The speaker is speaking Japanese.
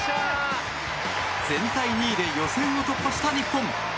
全体２位で予選を突破した日本。